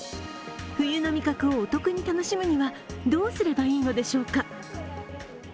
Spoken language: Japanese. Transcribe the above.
冬の味覚をお得に楽しむにはどうすればいいのでしょうか。